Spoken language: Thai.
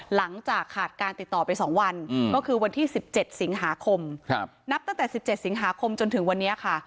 หลังจากขาดการติดต่อไป๒วันก็คือวันที่๑๗สิงหาคมนับตั้งแต่๑๗สิงหาคมจนถึงวันนี้ค่ะ